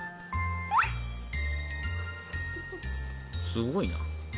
すごいな。